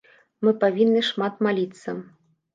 Мы павінны шмат маліцца.